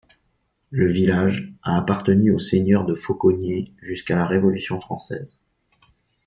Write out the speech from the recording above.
Le village, a appartenu aux seigneurs de Faucogney jusqu'à la Révolution française.